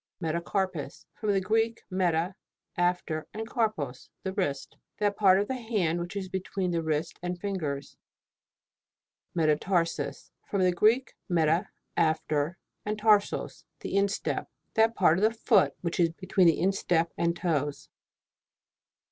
METACARPUS. From the Greek, meta, after, and karpos, the wrist. That part of the hand which is between the wrist and fingers. METATARSUS. From the Greek, meta, after, and torsos, the instep. That part of the foot which is between the instep and toes.